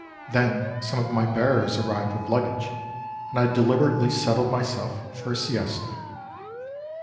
Then some of my bearers arrived with luggage, and I deliberately settled myself for a siesta.